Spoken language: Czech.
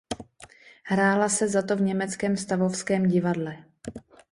Hrála se zato v německém Stavovském divadle.